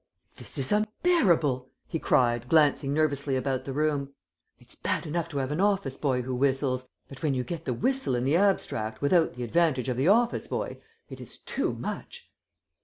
"This is unbearable!" he cried, glancing nervously about the room. "It's bad enough to have an office boy who whistles, but when you get the whistle in the abstract without the advantage of the office boy, it is too much."